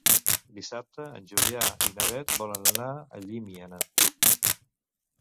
Dissabte en Julià i na Beth volen anar a Llimiana.